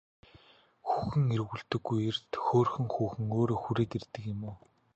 Хүүхэн эргүүлдэггүй эрд хөөрхөн хүүхэн өөрөө хүрээд ирдэг юм уу?